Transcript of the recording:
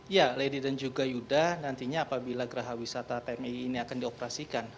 ya lady dan juga yuda nantinya apabila geraha wisata tmi ini akan dioperasikan